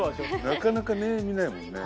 なかなかね見ないもんね。